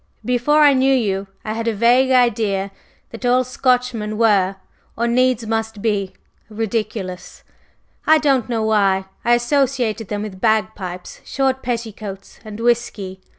Before I knew you I had a vague idea that all Scotchmen were, or needs must be, ridiculous, I don't know why. I associated them with bagpipes, short petticoats and whisky.